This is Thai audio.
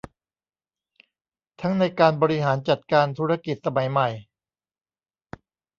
ทั้งในการบริหารจัดการธุรกิจสมัยใหม่